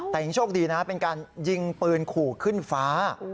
แต่ยังโชคดีนะเป็นการยิงปืนขู่ขึ้นฟ้า